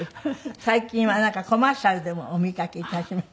最近はなんかコマーシャルでもお見かけ致します。